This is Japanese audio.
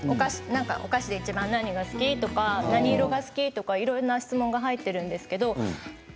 お菓子でいちばん何が好き、とか何色が好き、とかいろんな質問が入っているんですけど